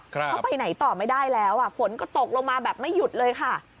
เขาไปไหนต่อไม่ได้แล้วฝนก็ตกลงมาแบบไม่หยุดเลยค่ะ